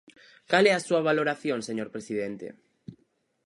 "Cal é a súa valoración, señor presidente?".